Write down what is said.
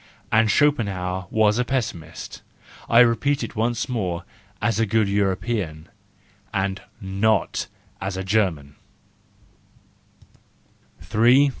And Schopenhauer was a pessimist, I repeat it once more, as a good European, and not as a German, 358 .